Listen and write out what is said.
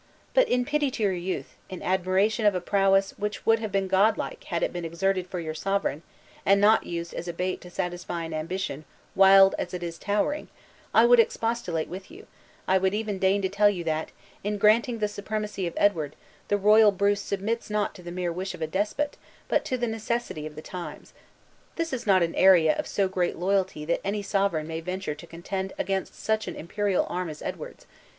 But in pity to your youth, in admiration of a prowess which would have been godlike had it been exerted for your sovereign, and not used as a bait to satisfy an ambition wild as it is towering, I would expostulate with you; I would even deign to tell you that, in granting the supremacy of Edward, the royal Bruce submits not to the mere wish of a despot, but to the necessity of the times. This is not an area of so great loyalty that any sovereign may venture to contend against such an imperial arm as Edward's.